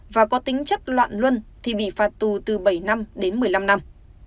và có tính chất loạn luân thì bị phạt tù từ bảy năm đến một mươi năm năm